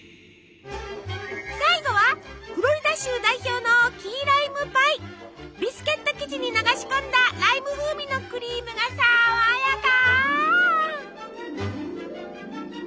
最後はフロリダ州代表のビスケット生地に流し込んだライム風味のクリームが爽やか！